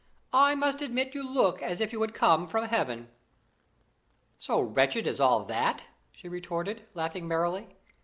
"I must admit you look as if you had come from Heaven!" "So wretched as all that!" she retorted, laughing merrily.